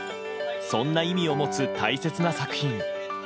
そんな意味を持つ大切な作品。